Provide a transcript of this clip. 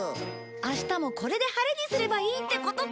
明日もこれで晴れにすればいいってことか！